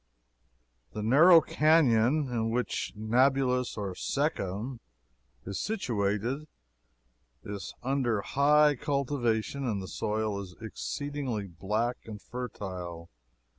The narrow canon in which Nablous, or Shechem, is situated, is under high cultivation, and the soil is exceedingly black and fertile.